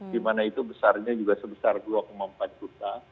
dimana itu besarnya juga sebesar dua empat juta